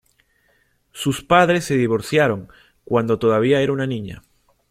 Sus padres se divorciaron cuando todavía era una niña.